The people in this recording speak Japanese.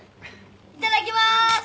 いただきます！